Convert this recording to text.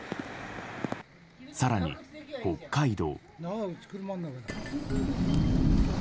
更に、北海道。